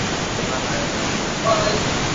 اسائي گھر مهمان آيا هي.